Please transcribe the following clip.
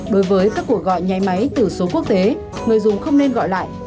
hai đối với các cuộc gọi nháy máy từ số quốc tế người dùng không nên gọi lại